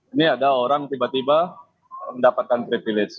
ini ada orang tiba tiba mendapatkan privilege